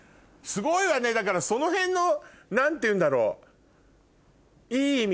すごいわねだからそのへんの何ていうんだろう。